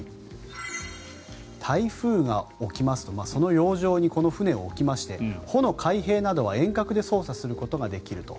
台風が起きますとその洋上に船を置きまして帆の開閉などは遠隔で操作することができると。